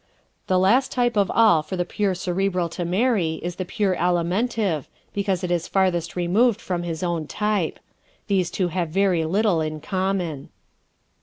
The last type of all for the pure Cerebral to marry is the pure Alimentive because it is farthest removed from his own type. These two have very little in common.